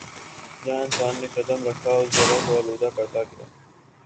جہاں پر انسان نے قدم رکھا اس جگہ کو آلودہ کرتا گیا